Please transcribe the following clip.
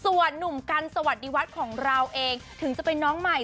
ส่วนหนุ่มกันสวัสดีวัฒน์ของเราเองถึงจะเป็นน้องใหม่